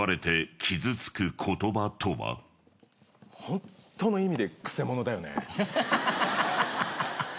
ほんとの意味で「くせ者」だよね。